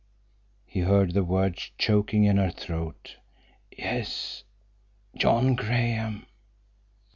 He heard the words choking in her throat. "Yes, John Graham."